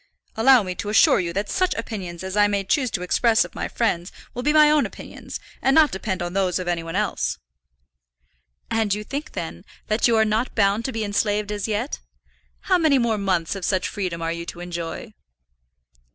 "Allow me to assure you that such opinions as I may choose to express of my friends will be my own opinions, and not depend on those of any one else." "And you think, then, that you are not bound to be enslaved as yet? How many more months of such freedom are you to enjoy?"